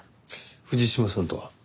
藤島さんとは？